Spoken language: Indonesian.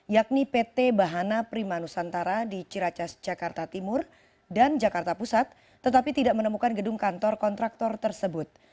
yakni pt bahana prima nusantara di ciracas jakarta timur dan jakarta pusat tetapi tidak menemukan gedung kantor kontraktor tersebut